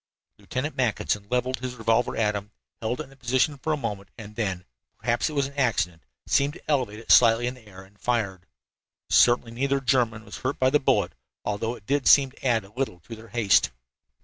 Lieutenant Mackinson leveled his revolver at them, held it in that position for a moment, and then perhaps it was an accident seemed to elevate it slightly in the air and fired. Certainly neither German was hurt by the bullet, although it did seem to add a little to their haste.